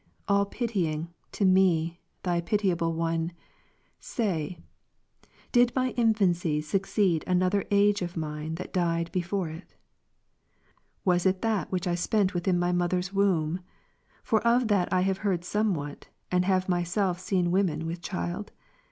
All pitying, to me. Thy pitiable one; say, didmy infancy succeed another age of mine that died before it ? Was it that which I spent with n my mother's womb ? for of that I have heard somewhat, and have myself seen women with child